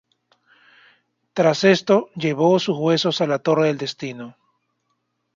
Tras esto llevó sus huesos a la Torre del Destino.